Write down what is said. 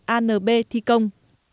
anb thi công